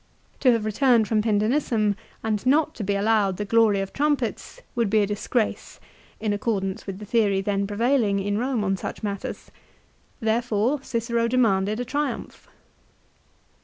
To have re turned from Pindenissum and not to be allowed the glory of trumpets would be a disgrace, in accordance with the theory then prevailing in Kome on such matters. Therefore Cicero demanded a triumph.